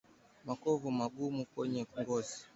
Makovu magumu kwenye ngozi